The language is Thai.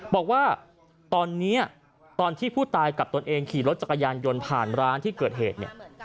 บอกว่าตอนนี้ตอนที่ผู้ตายกับตนเองขี่รถจักรยานยนต์ผ่านร้านที่เกิดเหตุเนี่ย